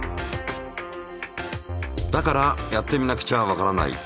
だからやってみなくちゃわからない。